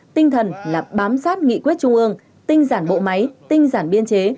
tinh thần là bám sát nghị quyết trung ương tinh giảm bộ máy tinh giảm biên chế